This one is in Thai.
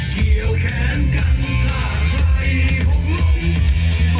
เกี่ยวแขนกันท่าใครหกลง